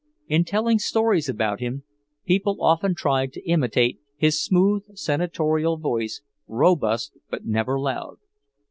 In telling stories about him, people often tried to imitate his smooth, senatorial voice, robust but never loud.